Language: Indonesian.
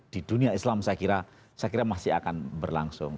di dunia islam saya kira masih akan berlangsung